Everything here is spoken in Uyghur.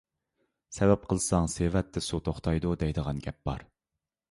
«سەۋەب قىلساڭ سېۋەتتە سۇ توختايدۇ» دەيدىغان گەپ بار.